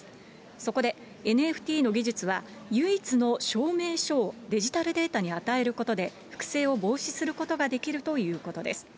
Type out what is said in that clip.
そこで、ＮＦＴの技術は唯一の証明書をデジタルデータに与えることで、複製を防止することができるということです。